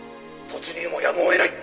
「突入もやむを得ない」